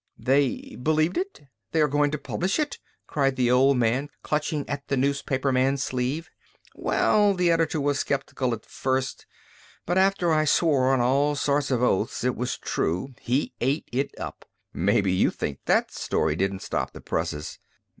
"They believed it? They are going to publish it?" cried the old man, clutching at the newspaperman's sleeve. "Well, the editor was skeptical at first, but after I swore on all sorts of oaths it was true, he ate it up. Maybe you think that story didn't stop the presses!"